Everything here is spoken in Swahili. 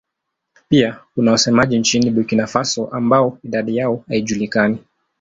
Pia kuna wasemaji nchini Burkina Faso ambao idadi yao haijulikani.